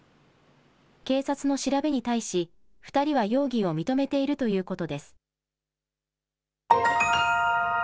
警察の調べに対し、２人は容疑を認めているということです。